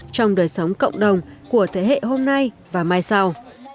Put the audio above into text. trong đời sống cộng đồng của thế hệ hôm nay và mai sau